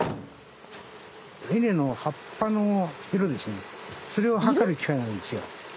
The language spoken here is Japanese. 稲の葉っぱの色ですねそれを測る機械なんですよ。